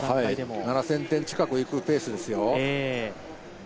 ７０００点近くいくペ−スですよ。